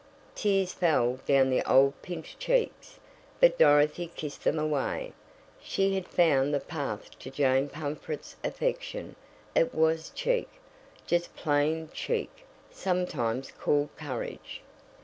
Tears fell down the old pinched cheeks, but Dorothy kissed them away. She had found the path to Jane Pumfret's affection it was cheek, just plain cheek, sometimes called courage.